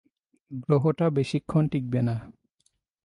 গ্রহটা বেশিক্ষণ টিকবে না।